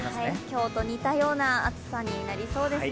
今日と似たような暑さになりそうですね。